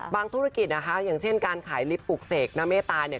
ธุรกิจนะคะอย่างเช่นการขายลิฟต์ปลูกเสกหน้าเมตตาเนี่ย